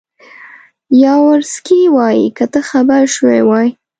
یاورسکي وایي که ته خبر شوی وای.